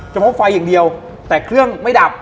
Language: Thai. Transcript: พบไฟอย่างเดียวแต่เครื่องไม่ดับ